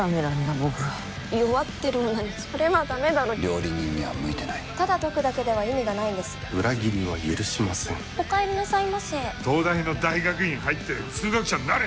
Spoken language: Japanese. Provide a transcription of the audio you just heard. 僕は弱ってる女にそれはダメだろ・料理人には向いてない・ただ解くだけでは意味がないんです裏切りは許しません・お帰りなさいませ東大の大学院入って数学者になれ！